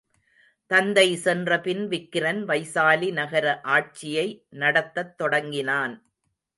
தந்தை சென்றபின் விக்கிரன் வைசாலி நகர ஆட்சியை நடத்தத் தொடங்கினான்.